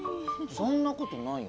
そんなことないよ。